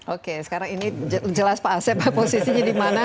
oke sekarang ini jelas pak asep posisinya di mana